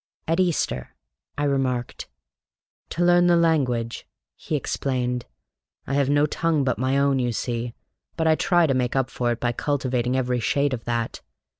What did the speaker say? "At Easter," I remarked. "To learn the language," he explained. "I have no tongue but my own, you see, but I try to make up for it by cultivating every shade of that.